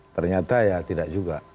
ternyata ya tidak juga